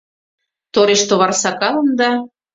Торештовар сакалын да